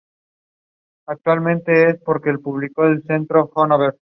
Transportaba a cuatro tripulantes y once pasajeros.